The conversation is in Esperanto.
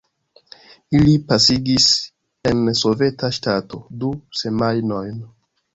Ili pasigis en soveta ŝtato du semajnojn.